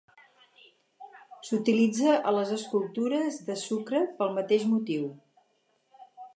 S"utilitza a les escultures de sucre pel mateix motiu.